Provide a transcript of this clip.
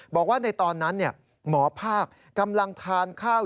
บอกว่าในตอนนั้นหมอภาคกำลังทานข้าว